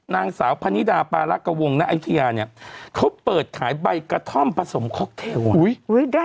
นางสาวพนิดาปารักวงณอายุทยาเนี่ยเขาเปิดขายใบกระท่อมผสมค็อกเทล